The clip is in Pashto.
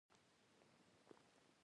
سندره د غیرت آواز دی